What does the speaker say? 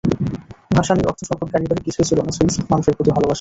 ভাসানীর অর্থসম্পদ, গাড়ি-বাড়ি কিছুই ছিল না, ছিল শুধু মানুষের প্রতি ভালোবাসা।